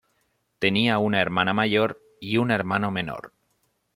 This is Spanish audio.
Tenía una hermana mayor y un hermano menor.